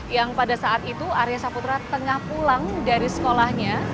yang pada saat itu arya saputra tengah pulang dari sekolahnya